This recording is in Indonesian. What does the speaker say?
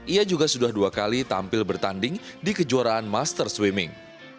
ia juga sudah dua kali tampil bertanding di kejuaraan master swimming